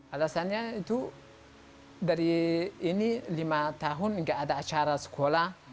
alasannya itu dari ini lima tahun nggak ada acara sekolah